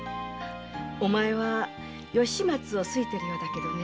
お前は吉松を好いてるようだけどね